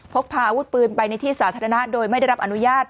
พกพาอาวุธปืนไปในที่สาธารณะโดยไม่ได้รับอนุญาต